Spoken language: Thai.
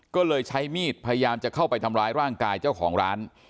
ก็เลยใช้มีดพยายามจะเข้าไปทำร้ายร่างกายเจ้าของร้าน